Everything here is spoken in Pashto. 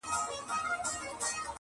لېوه ږغ کړه فیله ولي په ځغستا یې،